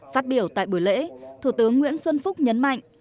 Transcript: phát biểu tại buổi lễ thủ tướng nguyễn xuân phúc nhấn mạnh